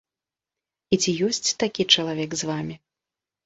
І ці ёсць такі чалавек з вамі?